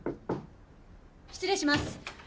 失礼します！